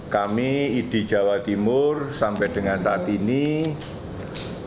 kami idi jawa timur sampai dengan saat ini